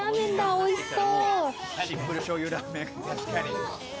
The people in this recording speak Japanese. おいしそう！